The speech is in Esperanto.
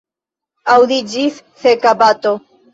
Aŭdiĝis seka bato.